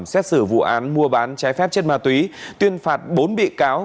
xét xử vụ án mua bán trái phép chất ma túy tuyên phạt bốn bị cáo